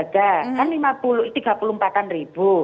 kan rp tiga puluh empat